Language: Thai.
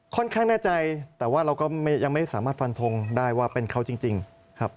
แน่ใจแต่ว่าเราก็ยังไม่สามารถฟันทงได้ว่าเป็นเขาจริงครับ